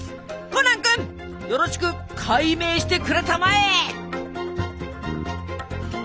コナン君よろしく解明してくれたまえ！